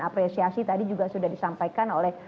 apresiasi tadi juga sudah disampaikan oleh